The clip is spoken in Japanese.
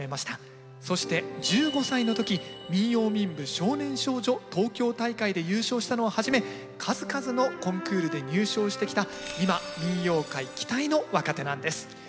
そして１５歳の時民謡民舞少年少女東京大会で優勝したのをはじめ数々のコンクールで入賞してきた今民謡界期待の若手なんです。